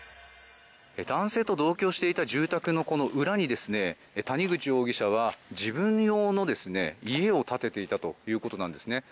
男性と同居していた住宅のこの裏に谷口容疑者は自分用の家を建てていたということなんです。